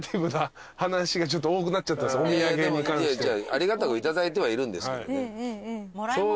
ありがたくいただいてはいるんですけどね。